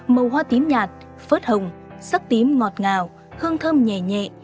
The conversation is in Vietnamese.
màu hoa tím nhạt phớt hồng sắc tím ngọt ngào hương thơm nhẹ nhẹ